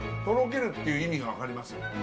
とろけるっていう意味がわかります。